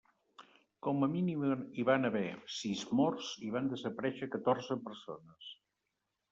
Com a mínim hi van haver sis morts i van desaparèixer catorze persones.